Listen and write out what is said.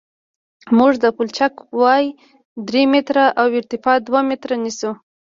موږ د پلچک وایه درې متره او ارتفاع دوه متره نیسو